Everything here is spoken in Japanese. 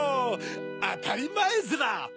あたりまえヅラ！